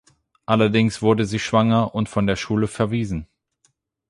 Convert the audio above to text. Allerdings wurde sie schwanger und von der Schule verwiesen.